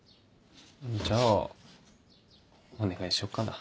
じゃあお願いしようかな。